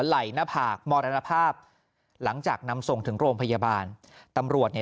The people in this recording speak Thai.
ไหล่หน้าผากมรณภาพหลังจากนำส่งถึงโรงพยาบาลตำรวจเนี่ย